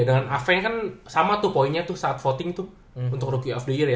dengan aveng kan sama tuh poinnya tuh saat voting tuh untuk rookie of the year ya